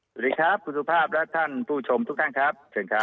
สวัสดีครับคุณสุภาพและท่านผู้ชมทุกท่านครับเชิญครับ